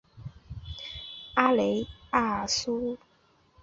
卡累利阿苏维埃社会主义自治共和国国旗上的文字被更改。